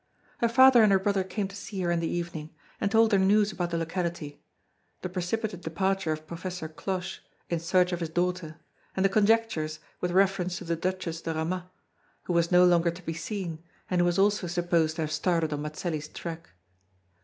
Her father and her brother came to see her in the evening, and told her news about the locality the precipitate departure of Professor Cloche in search of his daughter, and the conjectures with reference to the Duchess de Ramas, who was no longer to be seen, and who was also supposed to have started on Mazelli's track.